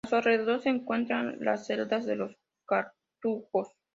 A su alrededor se encuentran las celdas de los cartujos.